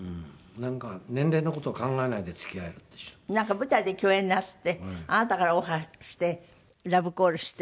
なんか舞台で共演なすってあなたからオファーしてラブコールして。